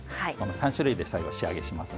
３種類で最後仕上げします。